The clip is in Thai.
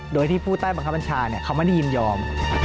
โดยที่ผู้ใต้บังคับบัญชาเขาไม่ได้ยินยอม